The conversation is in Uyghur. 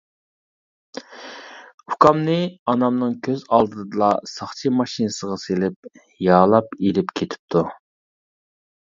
ئۇكامنى ئانامنىڭ كۆز ئالدىدىلا ساقچى ماشىنىسىغا سېلىپ، يالاپ ئېلىپ كېتىپتۇ.